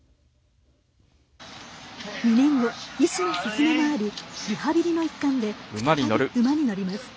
２年後、医師の勧めもありリハビリの一環で再び馬に乗ります。